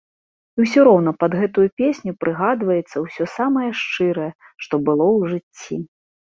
І ўсё роўна пад гэтую песню прыгадваецца ўсё самае шчырае, што было ў жыцці.